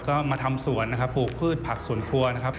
ก็มาทำสวนนะครับปลูกพืชผักสวนครัวนะครับ